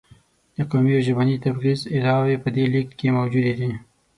د قومي او ژبني تبعیض ادعاوې په دې لېږد کې موجودې دي.